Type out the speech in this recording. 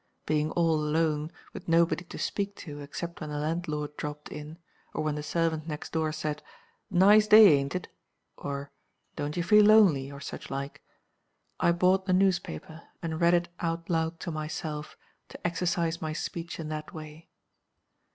Being all alone, with nobody to speak to, except when the landlord dropped in, or when the servant next door said, 'Nice day, ain't it?' or, 'Don't you feel lonely?' or such like, I bought the newspaper, and read it out loud to myself to exercise my speech in that way.